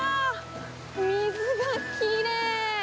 水がきれい。